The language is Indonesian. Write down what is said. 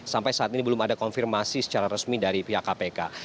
sampai saat ini belum ada konfirmasi secara resmi dari pihak kpk